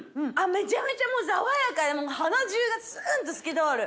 めちゃめちゃ爽やかで鼻中がツンと透き通る。